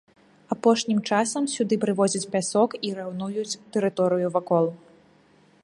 Апошнім часам сюды прывозяць пясок і раўнуюць тэрыторыю вакол.